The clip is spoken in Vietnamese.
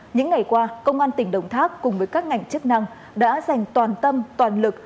những ngày qua công an tỉnh đồng tháp cùng với các ngành chức năng đã dành toàn tâm toàn lực